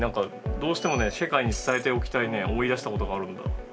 どうしてもね世界に伝えておきたいね思い出したことがあるんだ。